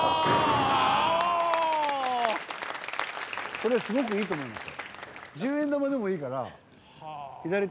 それすごくいいと思いますよ。